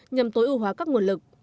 nhằm tối ưu hóa các nguồn lực